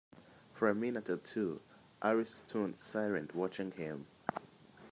For a minute or two Alice stood silent, watching him.